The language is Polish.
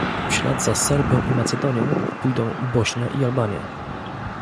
W ślad za Serbią i Macedonią pójdą Bośnia i Albania